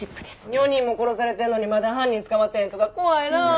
４人も殺されてんのにまだ犯人捕まってへんとか怖いなあ。